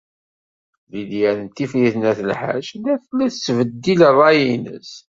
Lidya n Tifrit n At Lḥaǧ tella tettbeddil ṛṛay-nnes.